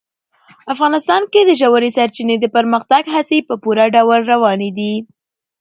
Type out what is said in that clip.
افغانستان کې د ژورې سرچینې د پرمختګ هڅې په پوره ډول روانې دي.